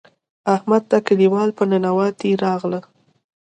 احمد ته کلیوال په ننواتې راغلل.